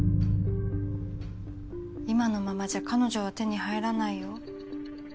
今のままじゃ彼女は手に入らないよ？